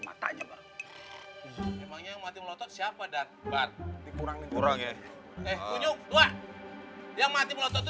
matanya memangnya mati melotot siapa dan bar dikurang kurang ya eh kunjung dua yang mati melotot